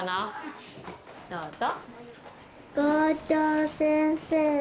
どうぞ。